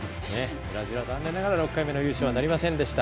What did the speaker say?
ブラジルは残念ながら６回目の優勝はなりませんでした。